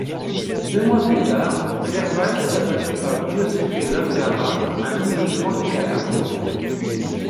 Deux mois plus tard, Cermak est abattu par Giuseppe Zangara, un immigrant de Calabre.